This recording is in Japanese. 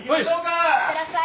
いってらっしゃい。